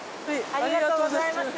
ありがとうございます。